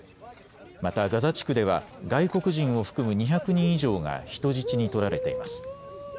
またガザ地区では外国人を含む２００人以上が人質に取られています。